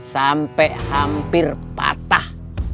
sampai hampir patah